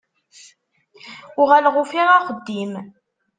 Uɣaleɣ ufiɣ axeddim.